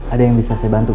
ada yang bisa saya bantu pak